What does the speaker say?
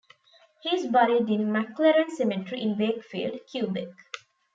He is buried in Maclaren Cemetery in Wakefield, Quebec.